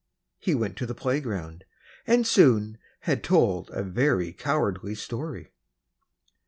He went to the playground, and soon had told A very cowardly story!